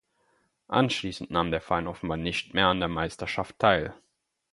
Anschließend nahm der Verein offenbar nicht mehr an der Meisterschaft teil.